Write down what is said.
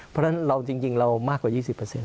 เพราะฉะนั้นเราจริงเรามากกว่า๒๐